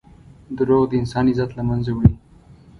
دروغ د انسان عزت له منځه وړي.